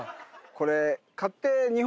これ。